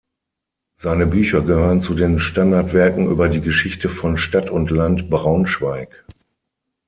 Seine Bücher gehören zu den Standardwerken über die Geschichte von Stadt und Land Braunschweig.